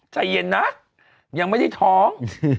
ใจเย็นนะยังไม่ได้ท้อง